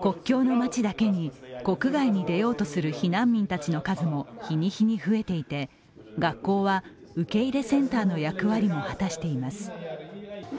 国境の町だけに国外に出ようとする避難民たちの数も日に日に増えていて学校は受け入れセンターの役割も果たしています。